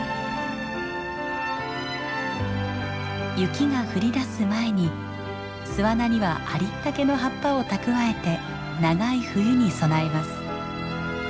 雪が降りだす前に巣穴にはありったけの葉っぱを蓄えて長い冬に備えます。